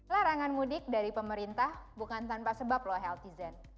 larangan mudik dari pemerintah bukan tanpa sebab loh healthyzen